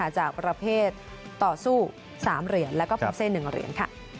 มาจากประเภทต่อสู้๓เหรียญและ๖เส้น๑เหรียญ